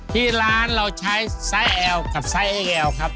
ที่ร้านเราใช้ไซส์แอลกับไซสไอแอลครับ